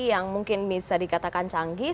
yang mungkin bisa dikatakan canggih